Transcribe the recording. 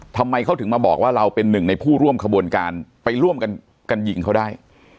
ทำไมเขาถึงมาบอกว่าเราเป็นหนึ่งในผู้ร่วมขบวนการไปร่วมกันกันยิงเขาได้